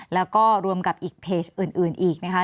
แล้วก็รวมกับอีกเพจอื่นอีกนะคะ